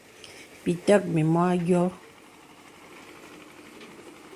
Bì tək mìmɔ a yɔ̄ɔ̄.